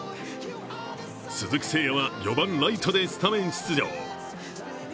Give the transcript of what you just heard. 鈴木誠也は４番ライトでスタメン出場。